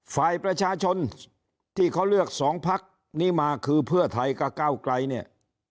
ฝ่ายประชาชนที่เขาเลือกสองพักนี้มาคือเพื่อไทยกับก้าวไกลเนี่ย